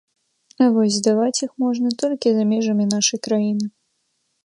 А вось здаваць іх можна толькі за межамі нашай краіны.